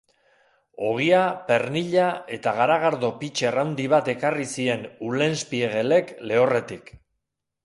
Ogia, pernila eta garagardo pitxer handi bat ekarri zien Ulenspiegelek lehorretik.